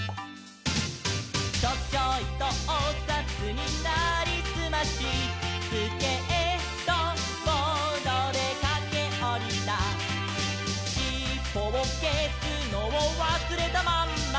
「チョチョイとおさつになりすまし」「スケートボードでかけおりた」「しっぽをけすのをわすれたまんま」